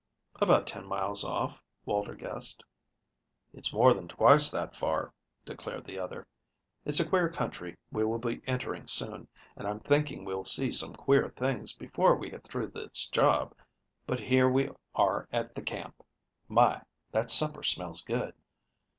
"About ten miles off," Walter guessed. "It's more than twice that far," declared the other. "It's a queer country we will be entering soon, and I'm thinking we'll see some queer things before we get through this job. But, here we are at the camp. My, that supper smells good."